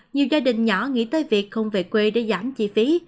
nhiều gia đình nhỏ nghĩ tới việc không về quê để giảm chi phí